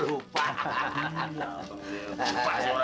lupa sih bang